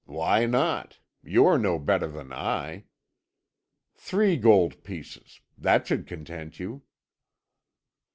"Why not? You are no better than I. Three gold pieces! That should content you."